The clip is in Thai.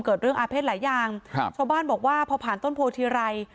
เกิดเรื่องอาเภษหลายอย่างครับชาวบ้านบอกว่าพอผ่านต้นโพทีไร